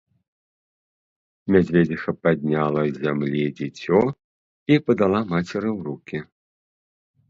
Мядзведзіха падняла з зямлі дзіцё і падала мацеры ў рукі.